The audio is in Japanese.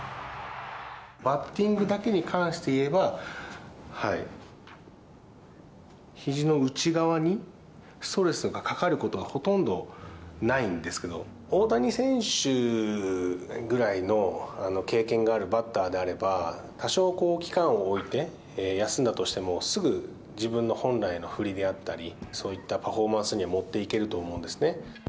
バッティングだけに関してだけ言えば、ひじの内側にストレスがかかることはほとんどないんですけど、大谷選手ぐらいの経験があるバッターであれば、多少こう、期間を置いて、休んだとしても、すぐ自分の本来の振りであったり、そういったパフォーマンスにはもっていけると思うんですね。